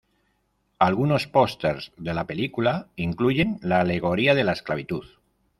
Algunos posters de la película incluyen la alegoría de la esclavitud.